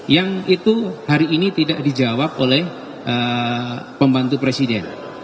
yang itu hari ini tidak dijawab oleh pembantu presiden